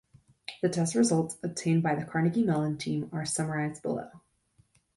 The test results obtained by the Carnegie Mellon team are summarized below.